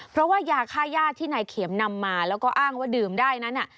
เพราะว่ายาค่าย่าที่นายเข็มนำมาแล้วก็อ้างว่าดื่มได้นั้น